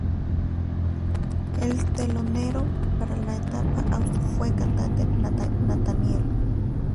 El telonero para la etapa australiana fue el cantante Nathaniel.